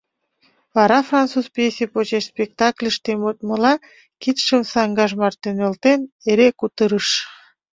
Вара француз пьесе почеш спектакльыште модмыла, кидшым саҥгаж марте нӧлтен, эре кутырыш.